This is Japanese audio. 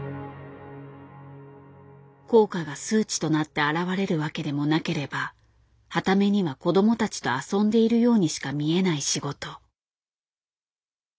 効果が数値となって表れるわけでもなければはた目には子どもたちと遊んでいるようにしか見えない仕事。